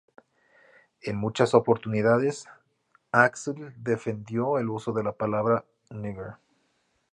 En muchas oportunidades, Axl defendió el uso de la palabra "nigger".